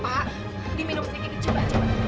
pak diminum sedikit coba